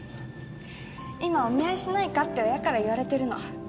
今「お見合いしないか」って親から言われてるの。